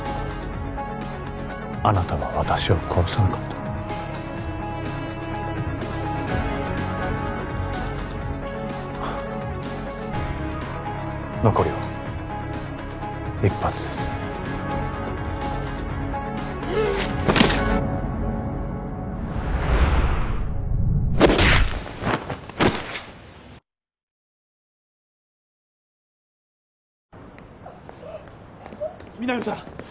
あなたは私を殺さなかったフッ残りは１発です皆実さん！